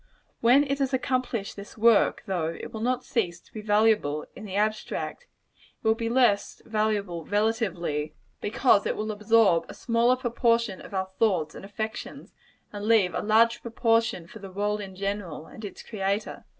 When it has accomplished this work, though it will not cease to be valuable, in the abstract, it will be less valuable relatively because it will absorb a smaller proportion of our thoughts and affections, and leave a larger proportion for the world in general, and its Creator.